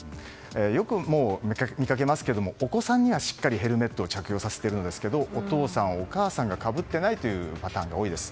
よく見かけますけれどもお子さんにはしっかりとヘルメットを着用させているんですけどお父さん、お母さんがかぶっていないというパターンが多いです。